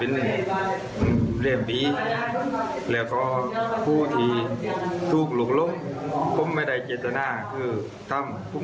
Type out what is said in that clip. โดยครับผมก็เสียใจให้การที่เกิดขึ้น